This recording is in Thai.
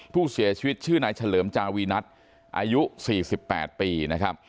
ผู้เสียชีวิตชื่อนายเฉลิมจาวีนัทอายุ๔๘ปีนะครับ